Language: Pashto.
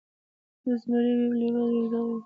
یو زمری او یو لیوه یو ځای وو.